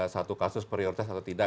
satu kasus prioritas atau tidak